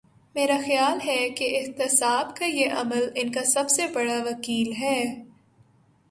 میرا خیال ہے کہ احتساب کا یہ عمل ان کا سب سے بڑا وکیل ہے۔